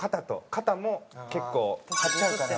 肩も結構張っちゃうから。